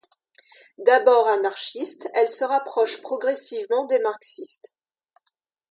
D'abord anarchiste, elle se rapproche progressivement des marxistes.